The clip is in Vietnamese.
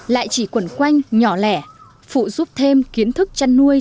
lại chỉ quẩn quanh nhỏ lẻ phụ giúp thêm kiến thức chăn nuôi